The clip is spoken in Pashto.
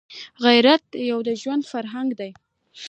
غیرت یو ژوندی فرهنګ دی